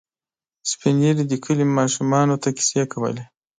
سپين ږیري د کلي ماشومانو ته کیسې کولې.